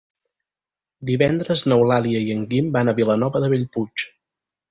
Divendres n'Eulàlia i en Guim van a Vilanova de Bellpuig.